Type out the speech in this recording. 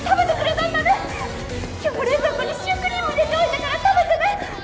今日も冷蔵庫にシュークリーム入れておいたから食べてね！